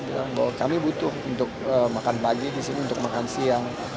bilang bahwa kami butuh untuk makan pagi di sini untuk makan siang